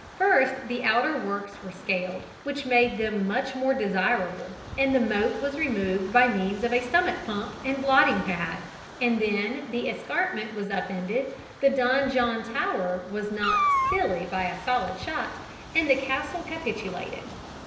First the outer works were scaled, which made them much more desirable, and the moat was removed by means of a stomach pump and blotting pad, and then the escarpment was up ended, the Don John tower was knocked silly by a solid shot, and the castle capitulated.